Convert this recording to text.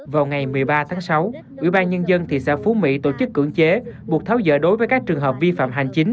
vào ngày một mươi ba tháng sáu ủy ban nhân dân thị xã phú mỹ tổ chức cưỡng chế buộc tháo dỡ đối với các trường hợp vi phạm hành chính